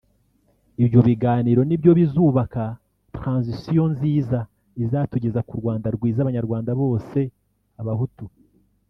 Ibyo biganiro nibyo bizubaka transition nziza izatugeza ku Rwanda rwiza abanyarwanda bose abahutu